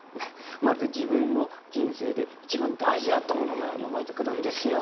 まるで自分の人生で一番大事だったもののように思えてくるんですよ。